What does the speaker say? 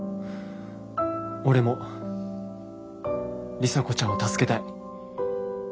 俺も里紗子ちゃんを助けたい。